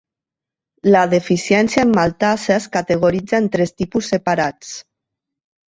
La deficiència en maltasa es categoritza en tres tipus separats.